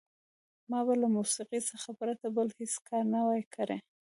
ما به له موسیقۍ څخه پرته بل هېڅ کار نه وای کړی.